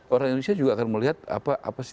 orang indonesia juga akan melihat apa